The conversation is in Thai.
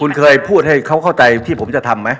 คุณเคยพูดให้เขาเข้าใจที่ผมจะทำไหม